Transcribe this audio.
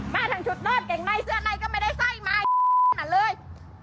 มาทางชุดนอนเก่งในเสื้อในก็ไม่ได้ใส่มาไอ้นั่นเลย